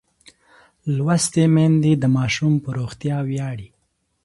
لوستې میندې د ماشوم پر روغتیا ویاړي.